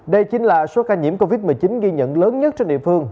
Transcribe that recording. đây chính là số ca nhiễm covid một mươi chín ghi nhận lớn nhất trên địa phương